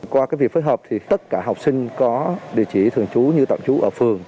qua việc phối hợp thì tất cả học sinh có địa chỉ thường trú như tạm trú ở phường